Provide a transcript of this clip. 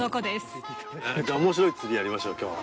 面白い釣りやりましょう今日は。